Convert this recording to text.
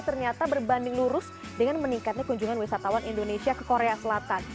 ternyata berbanding lurus dengan meningkatnya kunjungan wisatawan indonesia ke korea selatan